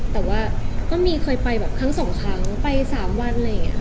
แต่ว่าเคยไปแล้วแบบครั้ง๒ครั้งไป๓วันอย่างไร